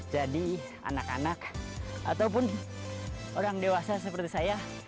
anak anak ataupun orang dewasa seperti saya